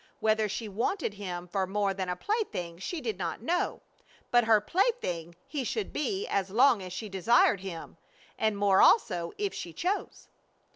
Whether she wanted him for more than a plaything she did not know, but her plaything he should be as long as she desired him and more also if she chose.